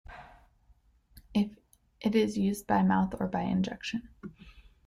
It is used by mouth or by injection.